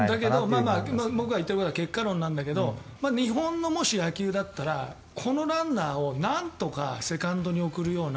まあまあぼくが言っているのは結果論だけど日本のもし、野球だったらこのランナーをなんとかセカンドに送るような